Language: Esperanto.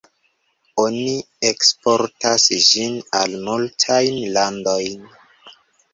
Oni eksportas ĝin al multajn landojn.